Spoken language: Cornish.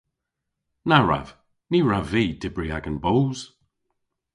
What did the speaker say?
Na wrav. Ny wrav vy dybri agan boos.